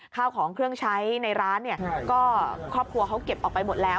ข้าวของเครื่องใช้ในร้านเนี่ยก็ครอบครัวเขาเก็บออกไปหมดแล้ว